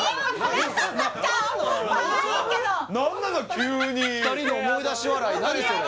急に２人で思い出し笑い何それ？